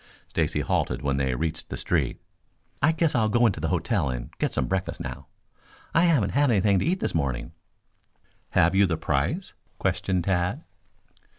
Stacy halted when they reached the street. "I guess I'll go into the hotel and get some breakfast now. I haven't had anything to eat this morning." "Have you the price?" questioned Tad.